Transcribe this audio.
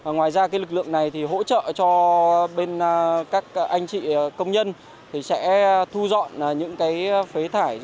ngoài ra lực lượng này hỗ trợ cho các anh chị công nhân sẽ thu dọn những phế thải